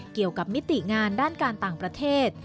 เกี่ยวกับมิติงานด้านการต่างประเทศ